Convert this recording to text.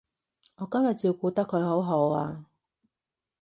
我今日照顧得佢好好啊